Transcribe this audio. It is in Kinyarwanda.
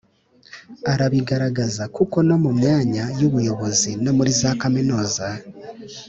arabigaragaza kuko no mu myanya y’ubuyobozi no muri za kaminuza,